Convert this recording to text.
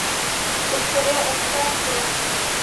د ستړیا احساس کوم.